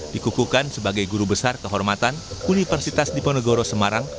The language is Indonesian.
dikukukan sebagai guru besar kehormatan universitas diponegoro semarang